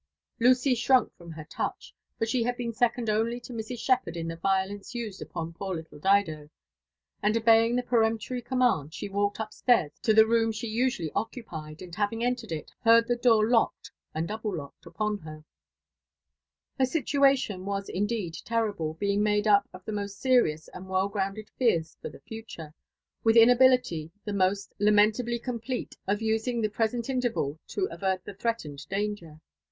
Lucy shrunk from her touch, for she had been second only to Mrs. Shepherd in the viplenq^ used upon poor little Dido ; and obeying the JONATHAN JEFFEttSON WHITLAW. 881 peremptory command, she walked up stairs to the room she usually occupied, and having entered it, heard the door locked and double locked upon her. Her situalion was indeed terrible, being made up of the ihost serious and well grounded fears for the future, with inability the most la mentably complete of using the present interval to avert the threatened danger.